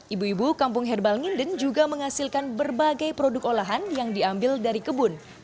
ibu ibu kampung herbal nginden juga menghasilkan berbagai produk olahan yang diambil dari kebun